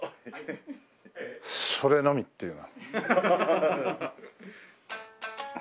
それのみっていう。